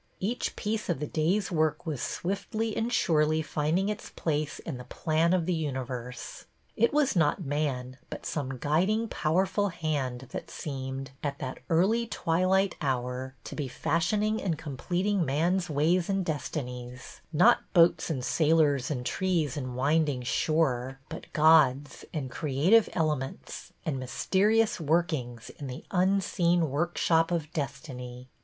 Each piece of the day's work was swiftly and surely finding its place in the plan of the universe. It was not man, but some guiding, powerful Hand that seemed, at that early twilight hour, to be fashion ing and completing man's ways and destinies; not boats and sailors and trees and winding shore, but gods and creative elements, and mys terious workings in the unseen workshop of destiny.